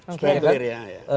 sudah spankulir ya